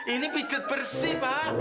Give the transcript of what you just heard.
ini pijet bersih pak